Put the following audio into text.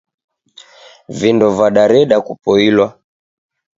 Vindo vadareda kupoilwa.